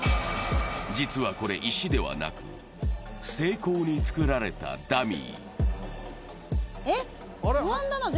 実はこれ、石ではなく、精巧に造られたダミー。